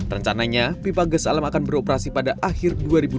rencananya pipa gas alam akan beroperasi pada akhir dua ribu dua puluh